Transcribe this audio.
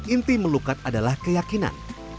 inti melukat adalah keyakinan